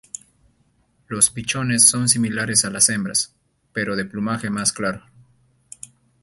Los pichones son similares a las hembras, pero de plumaje más claro.